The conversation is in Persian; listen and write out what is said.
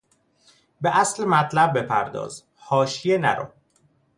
به اصل مطلب بپرداز، حاشیه نرو!